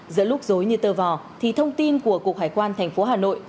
giữa lúc dối như tơ vò thì thông tin của cục hải quan thành phố hà nội